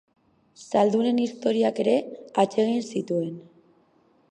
Zaldunen historiak ere atsegin zituen.